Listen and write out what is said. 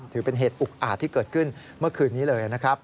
ถือเป็นเหตุอุกอาจที่เกิดขึ้นเมื่อคืนนี้เลยนะครับ